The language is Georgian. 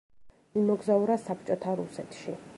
იმოგზაურა საბჭოთა რუსეთში.